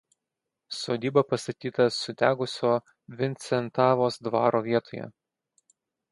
Sodyba pastatyta sudegusio Vincentavos dvaro vietoje.